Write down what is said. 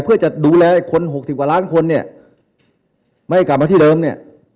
เพื่อจะดูแลคน๖๐กว่าล้านคนเนี่ยไม่กลับมาที่เดิมเนี่ย